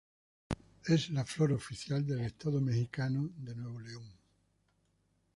Es la flor oficial del estado mexicano de Nuevo León.